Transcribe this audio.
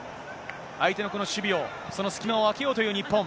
相手のこの守備を、その隙間を空けようという日本。